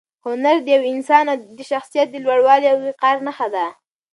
هنر د یو انسان د شخصیت د لوړوالي او وقار نښه ده.